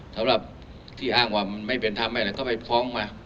สำหรับที่อ้างว่ามันไม่เป็นธรรมอะไรก็ไปฟ้องมา